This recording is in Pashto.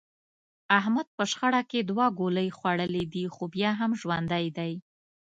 احمد په شخړه کې دوه ګولۍ خوړلې دي، خو بیا هم ژوندی دی.